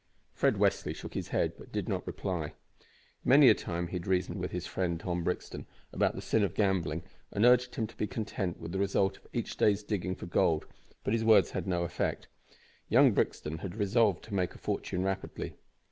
Fred Westly shook his head, but did not reply. Many a time had he reasoned with his friend, Tom Brixton, about the sin of gambling, and urged him to be content with the result of each day's digging for gold, but his words had no effect. Young Brixton had resolved to make a fortune rapidly.